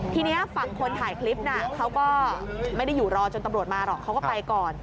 ทีนี้ฝั่งคนถ่ายคลิปน่ะเขาก็ไม่ได้อยู่รอจนตำรวจมาหรอกเขาก็ไปก่อน